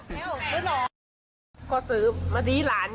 เราก็เลยเอ่อซื้อไว้ก็เกือบสิบกว่าใบอ่ะแหละ